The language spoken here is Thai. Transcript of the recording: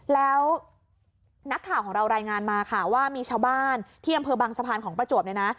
แล้วนักข่าวของเรารายงานมาค่ะว่ามีชาวบ้านที่อำเภอบางสะพานของประจวบเนี่ยนะ